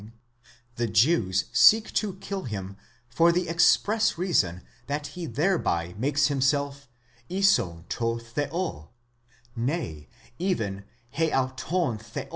the Jews seek to kill him for the express reason that he thereby makes himself ἴσον τῷ θεῷ, nay even ἑαυτὸν θεὸν.